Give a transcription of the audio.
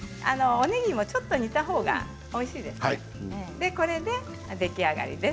おねぎも、ちょっと煮たほうがおいしいです。